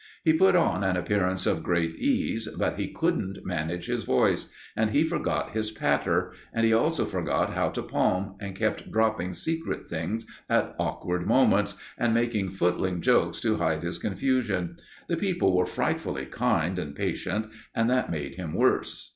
He put on an appearance of great ease, but he couldn't manage his voice, and he forgot his "patter," and he also forgot how to palm, and kept dropping secret things at awkward moments, and making footling jokes to hide his confusion. The people were frightfully kind and patient, and that made him worse.